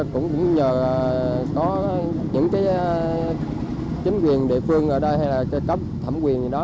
cũng nhờ có những chính quyền địa phương ở đây hay là cho cấp thẩm quyền gì đó